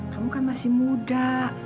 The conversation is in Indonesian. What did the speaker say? kamu kan masih muda